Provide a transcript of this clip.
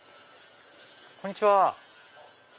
こんにちは。